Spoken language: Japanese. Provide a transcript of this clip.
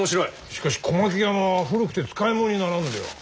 しかし小牧山は古くて使いものにならんのでは？